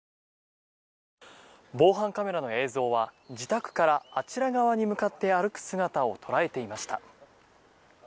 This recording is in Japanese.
防犯カメラの映像は自宅からあちら側に向かって歩く姿を捉えていました。